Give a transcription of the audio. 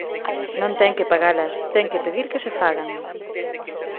Non ten que pagalas, ten que pedir que se fagan.